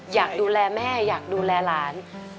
อยากดูแลแม่อยากดูแลหลาน